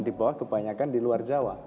di bawah kebanyakan di luar jawa